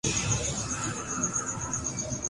and پر شاندار business کرکے